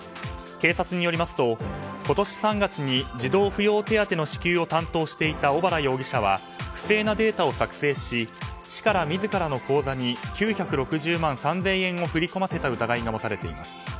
警察によりますと今年３月に児童扶養手当の支給を担当していた小原容疑者は不正なデータを作成し市から自らの口座に９６０万３０００円を振り込ませた疑いが持たれています。